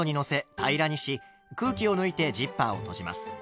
平らにし空気を抜いてジッパーを閉じます。